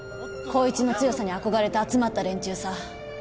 光一の強さに憧れて集まった連中さ。